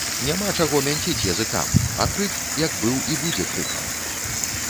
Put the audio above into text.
Няма чаго мянціць языкам, а крык, як быў, і будзе крыкам